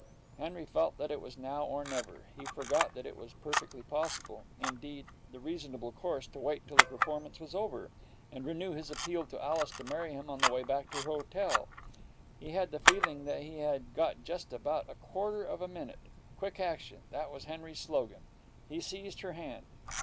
Henry felt that it was now or never. He forgot that it was perfectly possible indeed, the reasonable course to wait till the performance was over, and renew his appeal to Alice to marry him on the way back to her hotel. He had the feeling that he had got just about a quarter of a minute. Quick action! That was Henry's slogan. He seized her hand.